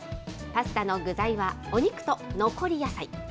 パスタの具材はお肉と残り野菜。